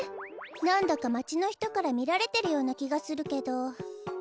なんだかまちのひとからみられてるようなきがするけど。